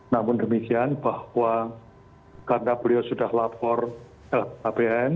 namun demikian bahwa karena beliau sudah lapor lhkpn